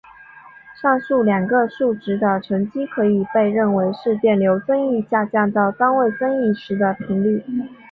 上述两个数值的乘积可以被认为是电流增益下降到单位增益时的频率。